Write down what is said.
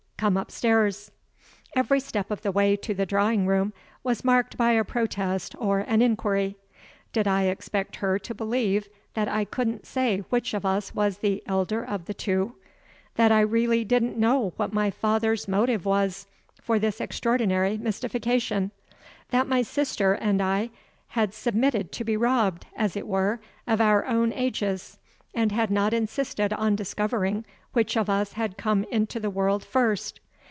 Come upstairs." Every step of the way up to the drawing room was marked by a protest or an inquiry. Did I expect her to believe that I couldn't say which of us was the elder of the two? that I didn't really know what my father's motive was for this extraordinary mystification? that my sister and I had submitted to be robbed, as it were, of our own ages, and had not insisted on discovering which of us had come into the world first?